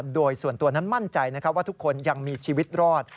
โดยส่วนตัวนั้นมั่นใจว่าทุกคนยังมีชีวิตรอด